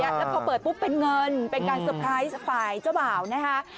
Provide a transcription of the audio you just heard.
แล้วพอเปิดปุ๊บเป็นเงินเป็นการเตอร์ไพรส์ฝ่ายเจ้าบ่าวนะคะ